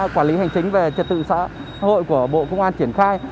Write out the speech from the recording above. quản lý hành chính về trật tự xã hội của bộ công an triển khai